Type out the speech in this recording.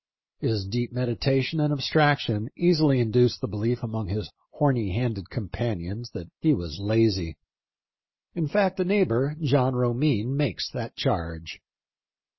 His deep meditation and abstraction easily induced the belief among his horny handed companions that he was lazy. In fact, a neighbor, John Romine, makes that charge.